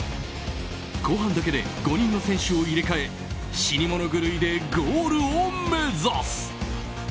後半だけで５人の選手を入れ替え死に物狂いでゴールを目指す。